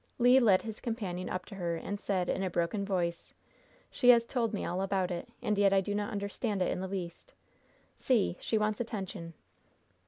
Le led his companion up to her and said, in a broken voice: "She has told me all about it. And yet I do not understand it in the least. See! she wants attention."